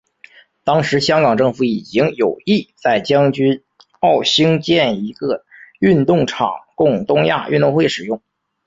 当时香港政府已经有意在将军澳兴建一个运动场供东亚运动会使用。